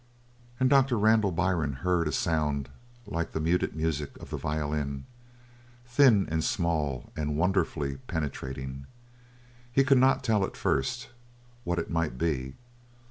And Doctor Randall Byrne heard a sound like the muted music of the violin, thin and small and wonderfully penetrating. He could not tell, at first, what it might be.